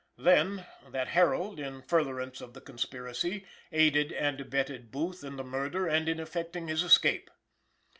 Then, that Herold, in furtherance of the conspiracy, aided and abetted Booth in the murder, and in effecting his escape.